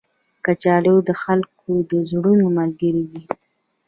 کچالو د خلکو د زړونو ملګری دی